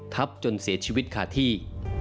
จนเสียชีวิตขาดที่